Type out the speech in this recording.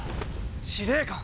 司令官！